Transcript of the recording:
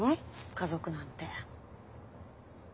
家族なんて。